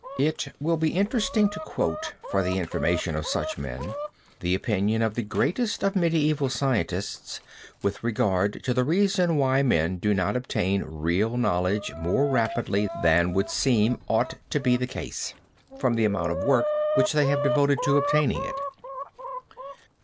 It will be interesting to quote for the information of such men, the opinion of the greatest of medieval scientists with regard to the reason why men do not obtain real knowledge more rapidly than would seem ought to be the case, from the amount of work which they have devoted to obtaining it.